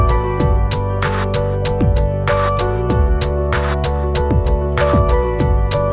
มาจากไหนอ่าทำให้ตรวจรถแม่นอ่าสบาย